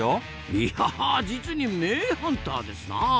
いや実に名ハンターですなあ！